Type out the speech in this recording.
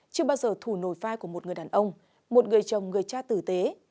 chưa bao giờ thủ nồi vai của một người đàn ông một người chồng người cha tử tế